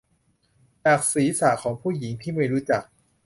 จากศีรษะของผู้หญิงที่ไม่รู้จัก